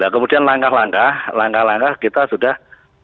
kemudian langkah langkah langkah kita sudah